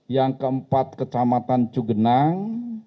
yang keempat kecamatan cugenang